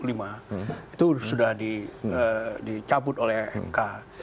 itu sudah dicabut oleh mk